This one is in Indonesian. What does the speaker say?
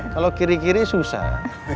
kalau kiri kiri susah